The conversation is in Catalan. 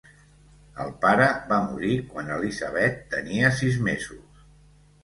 El pare va morir quan Elizabeth tenia sis mesos.